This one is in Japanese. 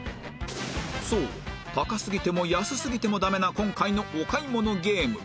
そう高すぎても安すぎてもダメな今回のお買い物ゲーム